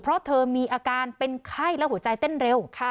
เพราะเธอมีอาการเป็นไข้และหัวใจเต้นเร็ว